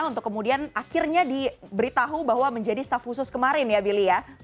untuk kemudian akhirnya diberitahu bahwa menjadi staff khusus kemarin ya billy ya